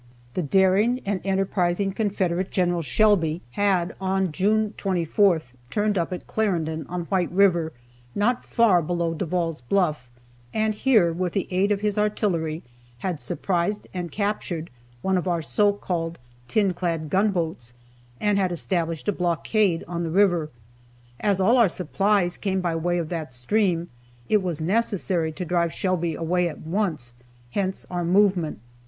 The daring and enterprising Confederate General Shelby had on June 24th turned up at Clarendon, on White river, not far below Devall's Bluff, and here, with the aid of his artillery, had surprised and captured one of our so called "tin clad" gunboats, and had established a blockade of the river. As all our supplies came by way of that stream, it was necessary to drive Shelby away at once, hence our movement.